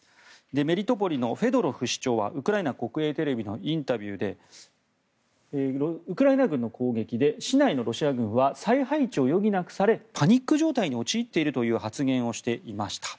メリトポリのフェドロフ市長はウクライナ国営テレビのインタビューでウクライナ軍の攻撃で市内のロシア軍は再配置を余儀なくされパニック状態に陥っているという発言をしていました。